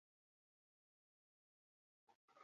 Eraikina egurrezko egitura zuen.